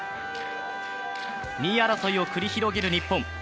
２位争いを繰り広げる日本。